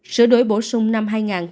sửa đổi bổ sung năm hai nghìn một mươi bảy